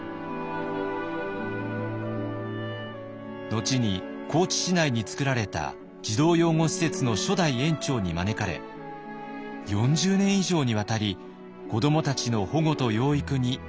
後に高知市内に作られた児童養護施設の初代園長に招かれ４０年以上にわたり子どもたちの保護と養育に尽力しました。